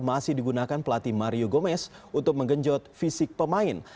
masih digunakan pelatih mario gomez untuk menggenjot fisik pemain